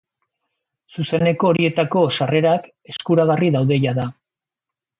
Zuzeneko horietarako sarrerak eskuragarri daude jada.